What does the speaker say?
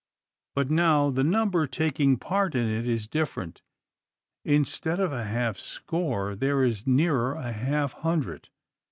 But now the number taking part in it is different. Instead of a half score, there is nearer a half hundred.